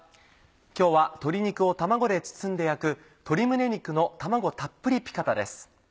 今日は鶏肉を卵で包んで焼く「鶏胸肉の卵たっぷりピカタ」です。